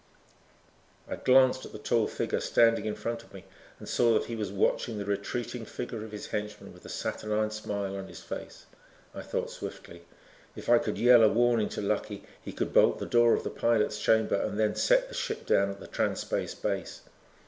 I glanced at the tall figure standing in front of me and saw that he was watching the retreating figure of his henchman with a saturnine smile on his face. I thought swiftly. If I could yell a warning to Lucky, he could bolt the door of the pilot's chamber and then set the ship down at the Trans Space base.